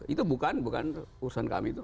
itu bukan urusan kami